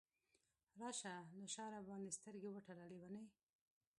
راشه له شاه راباندې سترګې وتړه لیونۍ !